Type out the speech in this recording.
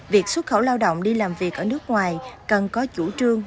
việc xuất khẩu lao động đi làm việc ở nước ngoài cần có chủ trương